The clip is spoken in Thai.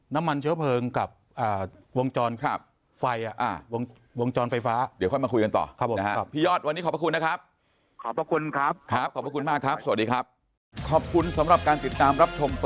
น้ำมันเชื้อเพลิงกับวงจรไฟฟ้าเดี๋ยวค่อยมาคุยกันต่อพี่ยอดวันนี้ขอบคุณนะครับ